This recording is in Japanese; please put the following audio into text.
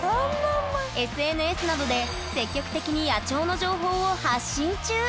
ＳＮＳなどで積極的に野鳥の情報を発信中！